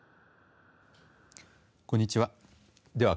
こんにちは。